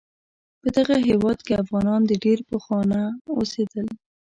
په دغه هیواد کې افغانان د ډیر پخوانه اوسیدل